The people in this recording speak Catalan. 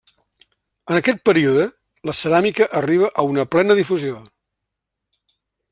En aquest període la ceràmica arriba a una plena difusió.